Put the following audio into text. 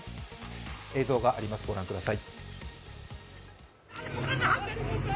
映像があります、ご覧ください。